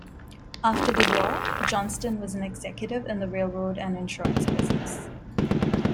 After the war, Johnston was an executive in the railroad and insurance businesses.